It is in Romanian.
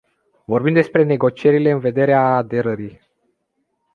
Vorbim despre negocierile în vederea aderării.